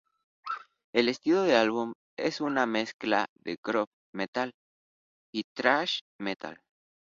El estilo del álbum es una mezcla de groove metal y thrash metal.